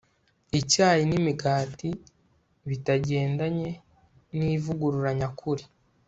icyayi nimigati bitagendanye nivugurura nyakuri